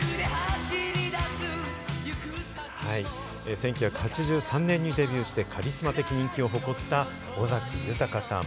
１９８３年にデビューしてカリスマ的人気を誇った尾崎豊さん。